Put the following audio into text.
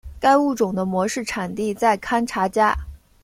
该物种的模式产地在堪察加。